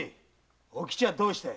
お吉はどうしたい？